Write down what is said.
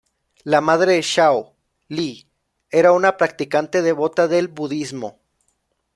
La madre de Shao, Li, era una practicante devota del Budismo.